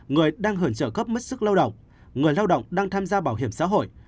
người đang hưởng trợ cấp mất sức lao động người lao động đang tham gia bảo hiểm xã hội